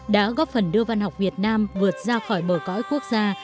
đã góp phần đưa văn học việt nam vượt ra khỏi bờ cõi quốc gia